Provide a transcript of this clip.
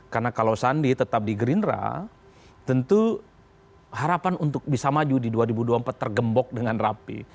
karena kalau sandi tetap di gerindra tentu harapan untuk bisa maju di dua ribu dua puluh empat tergembok dengan rapi